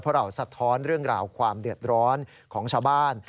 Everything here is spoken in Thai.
เพราะเราสะท้อนเรื่องราวความเดือดร้อนของชาวบ้าน